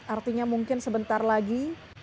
artinya mungkin sebentar lagi